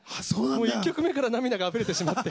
もう１曲目から涙があふれてしまって。